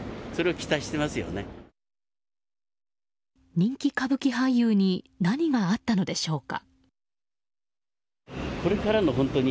人気歌舞伎俳優に何があったのでしょうか。